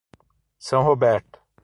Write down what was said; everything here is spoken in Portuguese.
São Roberto